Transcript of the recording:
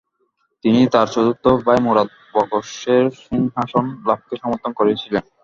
তিনি তার চতুর্থ ভাই মুরাদ বখশের সিংহাসন লাভকে সমর্থন করেছিলেন।